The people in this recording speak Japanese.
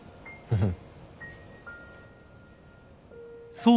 うん。